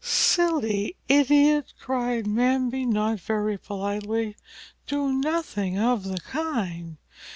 "Silly idiot!" cried the Mbambi, not very politely. "Do nothing of the kind.